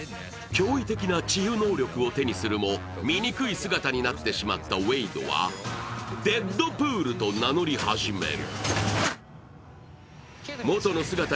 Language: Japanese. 驚異的な治癒能力を手にするも醜い姿になってしまったウェイドはデッドプールと名乗り始める。